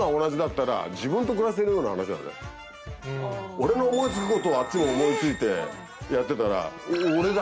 俺の思い付くことをあっちも思い付いてやってたら俺だもん。